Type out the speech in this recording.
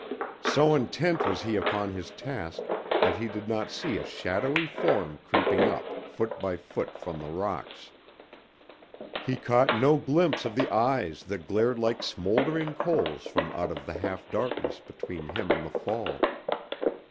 So intent was he upon his task that he did not see a shadowy form creeping up foot by foot from the rocks. He caught no glimpse of the eyes that glared like smoldering coals from out of the half darkness between him and the fall.